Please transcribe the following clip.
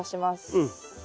うん。